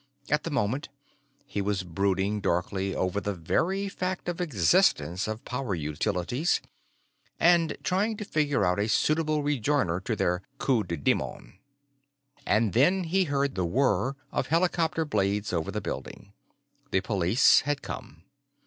At the moment, he was brooding darkly over the very fact of existence of Power Utilities, and trying to figure out a suitable rejoinder to their coup de démon. And then he heard the whir of helicopter blades over the building. The police had come.